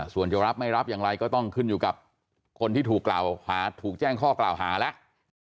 ส่วนจะรับไม่รับอย่างไรก็ต้องขึ้นอยู่กับคนที่ถูกกล่าวหาถูกแจ้งข้อกล่าวหาแล้ว